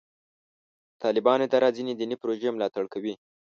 د طالبانو اداره ځینې دیني پروژې ملاتړ کوي.